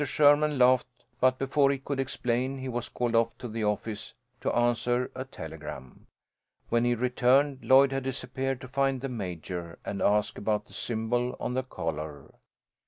Sherman laughed, but before he could explain he was called to the office to answer a telegram. When he returned Lloyd had disappeared to find the Major, and ask about the symbol on the collar.